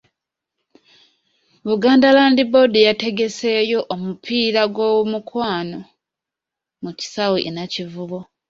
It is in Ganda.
Buganda Land Board yategeseeyo omupiira gw'omukwano mu kisaawe e Nakivubo.